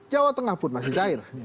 jawa tengah pun masih cair